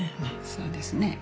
そうですね。